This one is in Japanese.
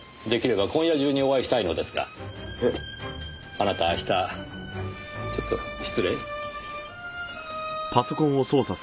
あなた明日ちょっと失礼。